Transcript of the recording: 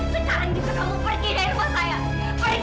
sekarang jika kamu pergi dari rumah saya pergi kamu kak mila